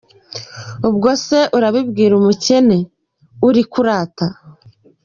Ubwo se urabibwira umukene, uri kurata?”.